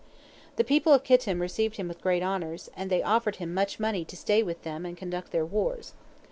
The people of Kittim received him with great honors, and they offered him much money to stay with them and conduct their wars.